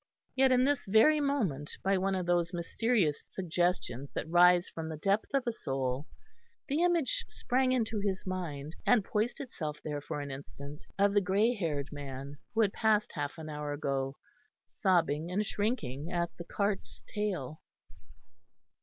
Yet, in this very moment, by one of those mysterious suggestions that rise from the depth of a soul, the image sprang into his mind, and poised itself there for an instant, of the grey haired man who had passed half an hour ago, sobbing and shrinking at the cart's tail.